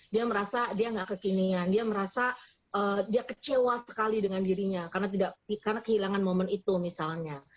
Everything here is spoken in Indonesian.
dia merasa dia nggak kekinian dia merasa dia kecewa sekali dengan dirinya karena kehilangan momen itu misalnya